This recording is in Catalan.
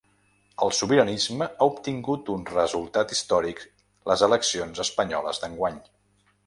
El sobiranisme ha obtingut un resultat històric les eleccions espanyoles d’enguany.